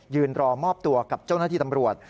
รอมอบตัวกับเจ้าหน้าที่ตำรวจ